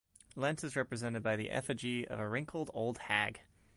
Lent is represented by the effigy of a wrinkled old hag.